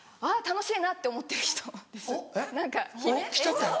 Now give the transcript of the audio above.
あぁ楽しいな！って思ってる人です。えっ？